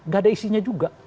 gak ada isinya juga